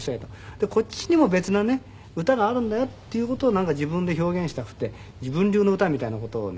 でこっちにも別なね歌があるんだよっていう事を自分で表現したくて自分流の歌みたいな事をね